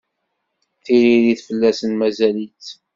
Tiririt fell-asen mazal-itt